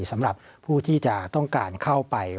สำหรับผู้ที่จะต้องการเข้าไป